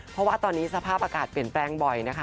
เพราะว่าตอนนี้สภาพอากาศเปลี่ยนแปลงบ่อยนะคะ